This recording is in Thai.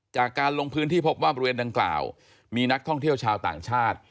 จากการลงพื้นที่พบว่าบริเวณดังกล่าวมีนักท่องเที่ยวชาวต่างชาติ